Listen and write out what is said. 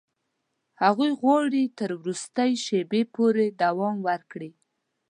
هغوی غواړي تر وروستي شېبې پورې دوام ورکړي.